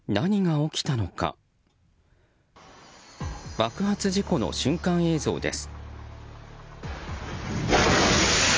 爆発事故の瞬間映像です。